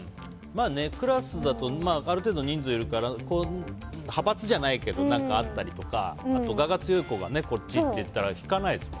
クラスだとある程度人数いるから派閥じゃないけど、あったりとかあと、我が強い子がこっちって言ったら引かないですもんね。